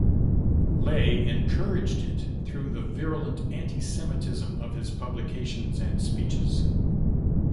Ley encouraged it through the virulent anti-Semitism of his publications and speeches.